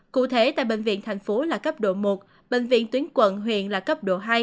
cụ thể tại bệnh viện thành phố là cấp độ một bệnh viện tuyến quận huyện là cấp độ hai